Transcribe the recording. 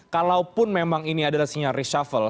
kalaupun memang ini adalah sinyal reshuffle